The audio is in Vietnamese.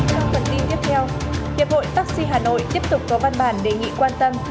hiệp hội taxi hà nội tiếp tục có văn bản đề nghị quan tâm